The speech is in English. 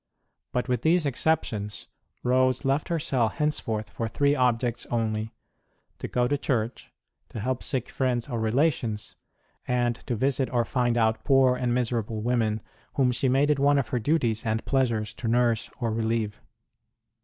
But, with these exceptions, Rose left her cell henceforth for HER GARDEN CELL 105 three objects only : to go to church, to help sick friends or relations, and to visit or find out poor and miserable women, whom she made it one of her duties and pleasures to nurse or relieve.